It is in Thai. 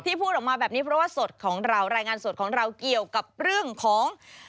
พูดออกมาแบบนี้เพราะว่าสดของเรารายงานสดของเราเกี่ยวกับเรื่องของ